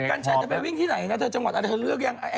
คุณกัญชัยจะไปวิ่งที่ไหนนะเธอจะรอดอะไรเขาเลือกแองกิ้ว